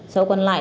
số còn lại